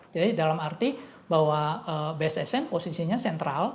jadi dalam arti bahwa bssn posisinya sentral